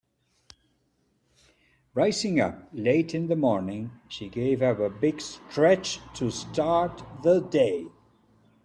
Rising up late in the morning she gave a big stretch to start the day.